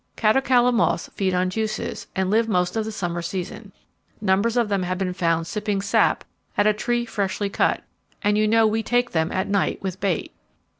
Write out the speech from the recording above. Catocala moths feed on juices, and live most of the summer season. Numbers of them have been found sipping sap at a tree freshly cut and you know we take them at night with bait.